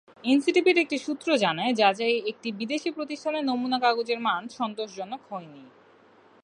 এনসিটিবির একটি সূত্র জানায়, যাচাইয়ে একটি বিদেশি প্রতিষ্ঠানের নমুনা কাগজের মান সন্তোষজনক হয়নি।